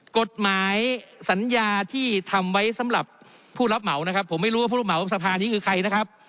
กฎหมายสัญญาที่ทำไว้สำหรับผู้รับเหมานะครับผมไม่รู้ว่าผู้รับเหมาสภานี้คือใครนะครับ